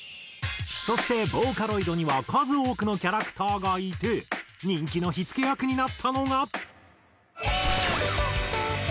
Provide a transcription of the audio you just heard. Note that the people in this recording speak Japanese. そしてボーカロイドには数多くのキャラクターがいて人気の火付け役になったのが。